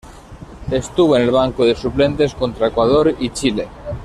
Estuvo en el banco de suplentes contra Ecuador y Chile.